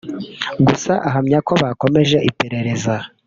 Gusa ahamya ko bakomeje iperereza